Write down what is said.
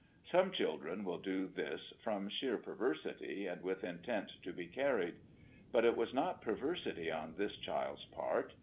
Some children will do this from sheer perversity and with intent to be carried. But it was not perversity on this child's part.